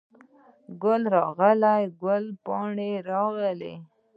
ګل راغلی، ګل پاڼه راغله